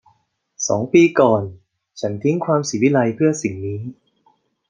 สองปีก่อน ฉันทิ้งความศิวิไลซ์เพื่อสิ่งนี้